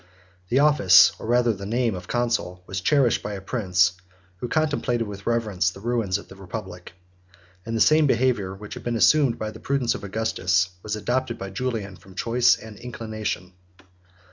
The office, or rather the name, of consul, was cherished by a prince who contemplated with reverence the ruins of the republic; and the same behavior which had been assumed by the prudence of Augustus was adopted by Julian from choice and inclination.